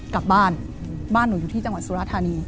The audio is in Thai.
กลับบ้านบ้านหนูอยู่ที่จังหวัดสุราธานี